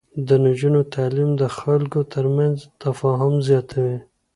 د نجونو تعليم د خلکو ترمنځ تفاهم زياتوي.